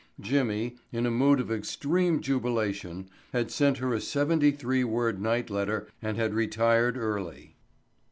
Jimmy, in a mood of extreme jubilation, had sent her a seventy three word night letter and had retired early.